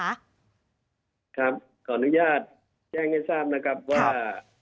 ขออนุญาตแจ้งให้ทราบนะครับว่า